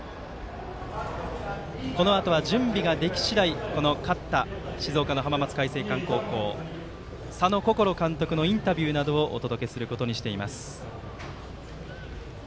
このあとは準備ができ次第勝った静岡の浜松開誠館佐野心監督のインタビューなどをお届けすることにしています。